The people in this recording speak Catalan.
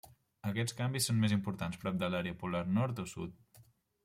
Aquests canvis són més importants prop de l'àrea polar nord o sud.